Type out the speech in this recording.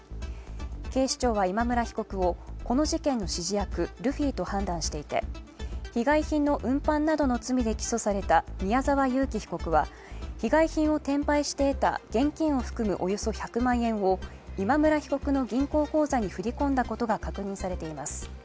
警視庁は今村被告をこの事件の指示役・ルフィと判断していて、被害品の運搬などの罪で起訴された宮沢優樹被告は被害品を転売して得た現金を含むおよそ１００万円を今村被告の銀行口座に振り込んだことが確認されています。